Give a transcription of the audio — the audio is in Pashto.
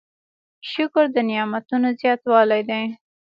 شکر د نعمتونو زیاتوالی دی.